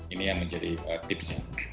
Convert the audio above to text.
ini yang menjadi tipsnya